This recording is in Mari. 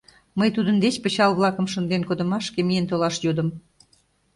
Мый тудын деч пычал-влакым шынден кодымашке миен толаш йодым.